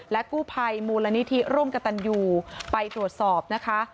กู้ภัยมูลนิธิร่มกระตันยูไปตรวจสอบนะคะ